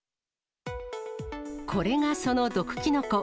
これがその毒キノコ。